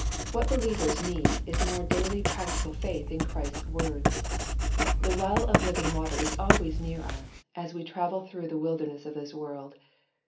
What believers need is more daily practical faith in Christ's words. The well of living water is always near us, as we travel through the wilderness of this world.